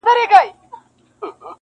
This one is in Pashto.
نه د مرګ یې چاته پته لګېدله-